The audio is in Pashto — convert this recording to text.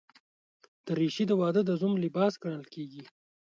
دریشي د واده د زوم لباس ګڼل کېږي.